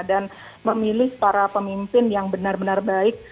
dan memilih para pemimpin yang benar benar baik